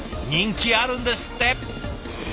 人気あるんですって！